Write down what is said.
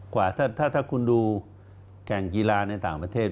ถ้าคุณดูแก่งกีฬาในต่างประเทศ